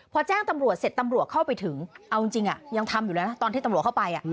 พอแจ้งตำรวจเสร็จตำรวจเข้าไปถึงเอาจริงยังทำอยู่เลยนะตอนที่ตำรวจเข้าไป